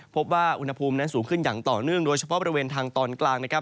พบว่าอุณหภูมินั้นสูงขึ้นอย่างต่อเนื่องโดยเฉพาะบริเวณทางตอนกลางนะครับ